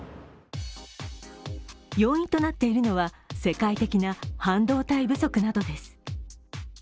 要因となっているのは世界的な半導体不足などです。